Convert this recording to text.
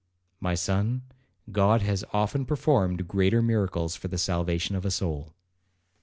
'My son, God has often performed greater miracles for the salvation of a soul.'